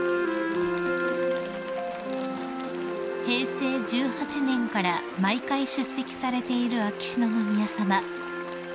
［平成１８年から毎回出席されている秋篠宮さま］